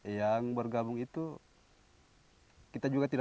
yang bergabung itu kita juga tidak